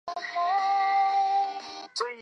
蒂勒人口变化图示